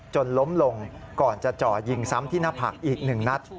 จนล้มลงก่อนจะจ่อยิงซ้ำที่หน้าผักอีก๑นัด